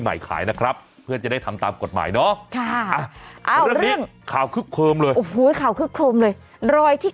ใหม่ขายนะครับเพื่อจะได้ทำตามกฎหมายเนาะค่ะข่าวคึกโครมเลยรอยที่